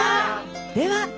では。